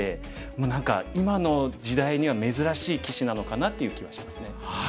もう何か今の時代には珍しい棋士なのかなっていう気はしますね。